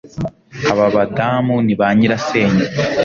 Aba badamu ni ba nyirasenge